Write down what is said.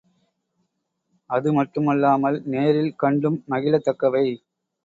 அது மட்டுமல்லாமல் நேரில் கண்டும் மகிழத் தக்கவை.